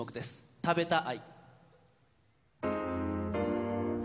『食べた愛』。